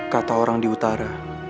kata orang di utara